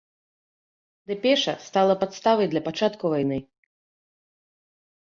Дэпеша стала падставай для пачатку вайны.